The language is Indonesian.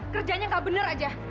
kerjanya gak bener aja